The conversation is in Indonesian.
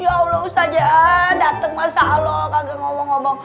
ya allah usah aja dateng masalah lo kagak ngomong ngomong